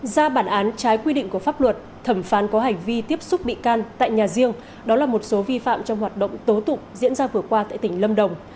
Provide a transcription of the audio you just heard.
ra bản án trái quy định của pháp luật thẩm phán có hành vi tiếp xúc bị can tại nhà riêng đó là một số vi phạm trong hoạt động tố tụng diễn ra vừa qua tại tỉnh lâm đồng